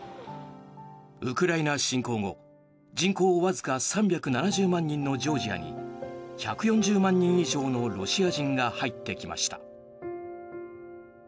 ウクライナ侵攻後人口わずか３７０万人のジョージアに１４０万人以上のロシア人が入ってきました。